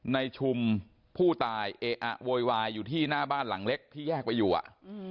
ชุมผู้ตายเอะอะโวยวายอยู่ที่หน้าบ้านหลังเล็กที่แยกไปอยู่อ่ะ